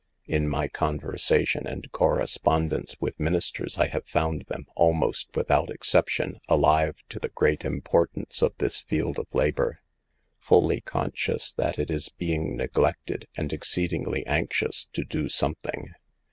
In my conversation and cor respondence with ministers, I have found them, almost without exception, alive to the great importance of this field of labor ; fully con scious that it is being neglected, and exceed ingly anxious to do something.